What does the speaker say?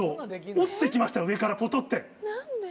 落ちて来ました上からぽとって。